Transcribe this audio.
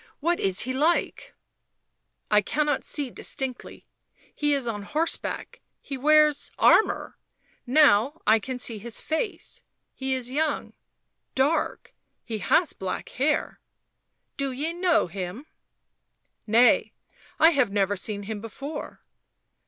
" What is he like ?"" i cannot see distinctly ... he is on horseback .. he wears armour ... now I can see his face he is young, dark — he has black hair "" Do ye know him?" " Nay — I have never seen him before."